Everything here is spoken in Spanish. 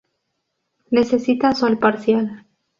Necesita sol parcial.